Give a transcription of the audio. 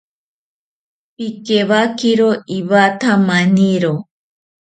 Pikewakiro iwatha maniro